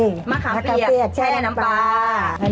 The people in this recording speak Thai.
มะขาเบียใช้ในน้ำปลา